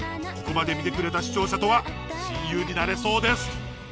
ここまで見てくれた視聴者とは親友になれそうです。